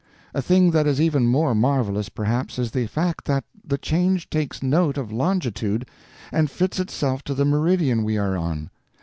"A thing that is even more marvelous, perhaps, is the fact that the change takes note of longitude and fits itself to the meridian we are on.